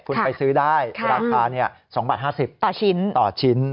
คุณไปซื้อได้ราคา๒บาท๕๐ต่อชิ้น